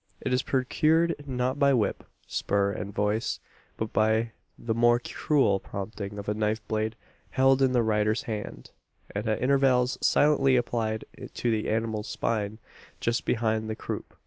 It is procured not by whip, spur, and voice; but by the more cruel prompting of a knife blade held in the rider's hand, and at intervals silently applied to the animal's spine, just behind the croup.